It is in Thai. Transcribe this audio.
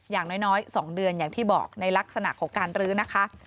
อย่างน้อย๒เดือนอย่างที่บอกในลักษณะของการรื้อนะคะ